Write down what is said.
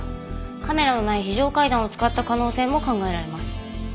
カメラのない非常階段を使った可能性も考えられます。